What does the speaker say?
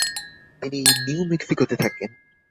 তিনি নিউ মেক্সিকোতে থাকেন।